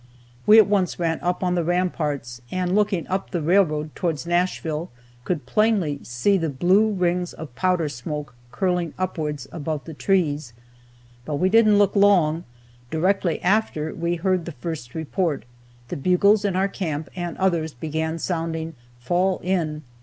We at once ran up on the ramparts, and looking up the railroad towards Nashville, could plainly see the blue rings of powder smoke curling upwards above the trees. But we didn't look long. Directly after we heard the first report, the bugles in our camp and others began sounding "Fall in!"